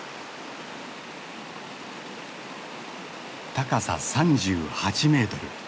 高さ３８メートル。